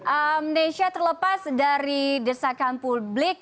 amnesha terlepas dari desakan publik